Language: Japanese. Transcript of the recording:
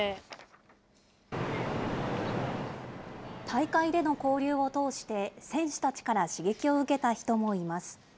大会での交流を通して、選手たちから刺激を受けた人もいます。